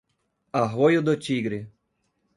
Arroio do Tigre